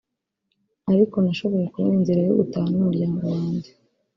ariko nashoboye kubona inzira yo gutaha n’umuryango wanjye